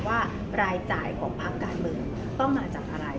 รายจ่ายของพักการเมืองต้องมาจากอะไร